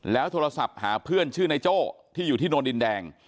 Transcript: โทรศัพท์หาเพื่อนชื่อนายโจ้ที่อยู่ที่โนนดินแดง